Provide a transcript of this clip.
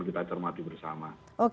kita cermati bersama